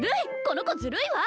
この子ずるいわ！